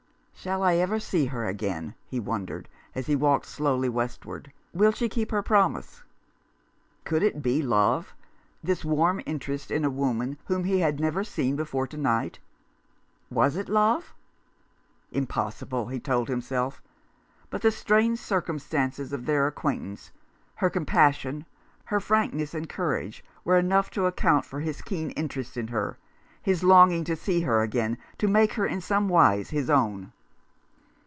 "Shall I ever see her again ?" he wondered, as he walked slowly westward. "Will she keep her promise ?" Could it be love, this war m interest in a woman whom he had never seen before to night ? Was it love? Impossible, he told himself; but the strange circumstances of their acquaintance, her compassion, her frankness and courage, were enough to account for his keen interest in her, his longing to see her again, to make her in some wise his own.